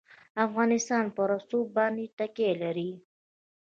افغانستان په رسوب باندې تکیه لري.